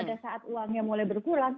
pada saat uangnya mulai berkurang